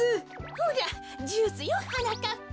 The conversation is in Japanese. ほらジュースよはなかっぱ。